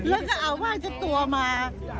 แล้วก็เอาพาชัดตัวมา